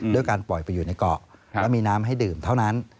ด้วยการปล่อยไปอยู่ในเกาะแล้วมีน้ำให้ดื่มเท่านั้น